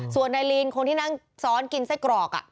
ส่วนนายลีนคนที่นั่งซ้อนกินไส้กรอก